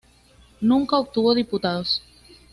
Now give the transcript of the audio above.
Nunca obtuvo diputados.